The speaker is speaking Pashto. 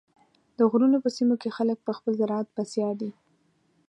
د غرونو په سیمو کې خلک په خپل زراعت بسیا دي.